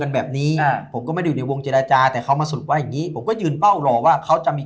กันแบบนี้เขาไม่ได้อยู่บนจราชาจะก็ยืนเป้ารอว่าเขาจะมี